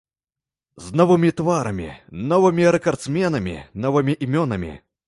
З новымі тварамі, новымі рэкардсменамі, новымі імёнамі.